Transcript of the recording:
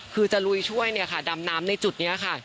คือจะลุยช่วยเนี่ยค่ะดำน้ำในจุดนี้ค่ะ